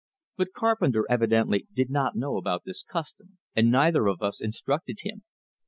But Carpenter evidently did not know about this custom, and neither of us instructed him.